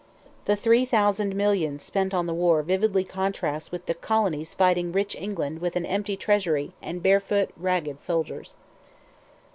(The three thousand millions spent on the war vividly contrasts with the Colonies fighting rich England with an empty treasury and barefoot, ragged soldiers.)